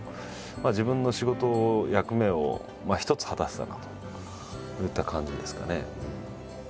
自分の仕事役目を一つ果たせたなといった感じですかね。